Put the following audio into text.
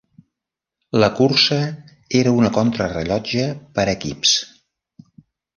La cursa era una contrarellotge per equips.